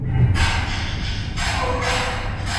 سپوږڅانګه